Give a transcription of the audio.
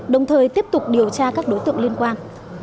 đồng thời tiếp tục điều tra các đối tượng liên quan